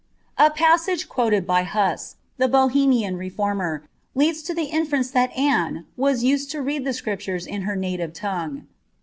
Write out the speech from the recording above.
A poiMge quoted by Huss, lhe Bohemian reformer, leads to the infervnce that Anne was used to read lhe Scriptures in her native tongue.